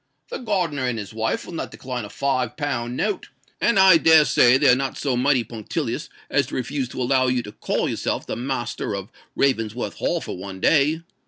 "The gardener and his wife will not decline a five pound note; and I dare say they are not so mighty punctilious as to refuse to allow you to call yourself the master of Ravensworth Hall for one day.